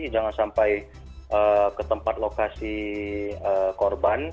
jangan sampai ke tempat lokasi korban